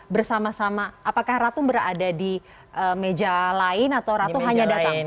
bersama sama apakah ratu berada di meja lain atau ratu hanya datang